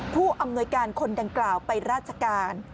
ผู้อำนวยการคนดังกล่าวไปราชการ